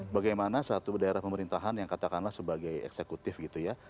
bagaimana satu daerah pemerintahan yang katakanlah sebagai eksekutif gitu ya